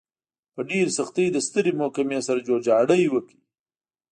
په ډېرې سختۍ له سترې محکمې سره جوړجاړی وکړ.